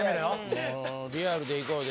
もうリアルでいこうぜ。